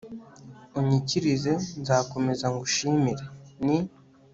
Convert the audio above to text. unyikirize, nzakomeza ngushimire, ni